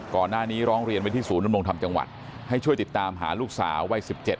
ก่อนหน้านี้ร้องเรียนไปที่ศูนย์นำรงค์ธรรมจังหวัดให้ช่วยติดตามหาลูกสาววัย๑๗